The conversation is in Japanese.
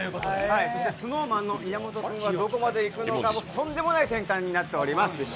そしてＳｎｏｗＭａｎの岩本君はどこまでいくのかとんでもない展開になっております。